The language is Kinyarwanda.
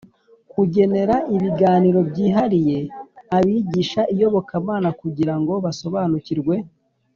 Kugenera ibiganiro byihariye abigisha iyobokamana kugira ngo basobanukirwe